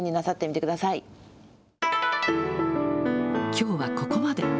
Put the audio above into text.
きょうはここまで。